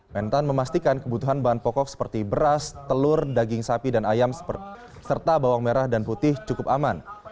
mentan memastikan kebutuhan bahan pokok seperti beras telur daging sapi dan ayam serta bawang merah dan putih cukup aman